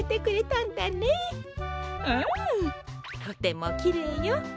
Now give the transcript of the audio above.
とてもきれいよ。